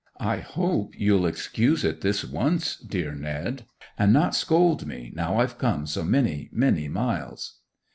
I hope you'll excuse it this once, dear Ned, and not scold me, now I've come so many, many miles!